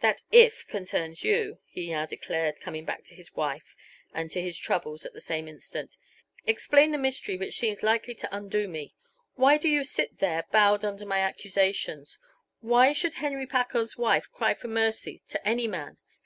"That 'if' concerns you," he now declared, coming back to his wife and to his troubles at the same instant. "Explain the mystery which seems likely to undo me. Why do you sit there bowed under my accusations? Why should Henry Packard's wife cry for mercy, to any man?